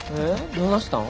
どないしたん？